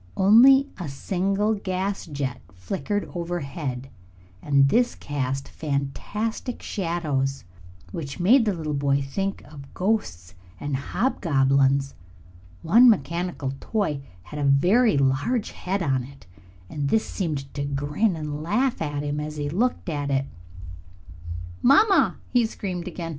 Only a single gas jet flickered overhead, and this cast fantastic shadows which made the little boy think of ghosts and hobgoblins. One mechanical toy had a very large head on it, and this seemed to grin and laugh at him as he looked at it. "Mamma!" he screamed again.